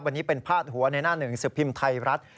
วันนี้เป็นพาดหัวในหน้าหนึ่งสิบพิมพ์ไทยรัฐ